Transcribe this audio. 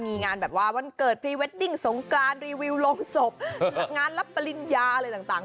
มีงานแบบว่าวันเกิดพรีเวดดิ้งสงกรานรีวิวโรงศพงานรับปริญญาอะไรต่าง